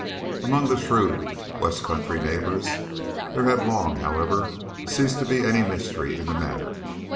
Among the shrewd west country neighbours there had long, however, ceased to be any mystery in the matter.